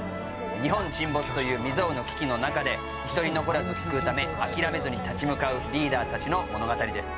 日本沈没という未曽有の危機の中で一人残らず救うため諦めずに立ち向かうリーダーたちの物語です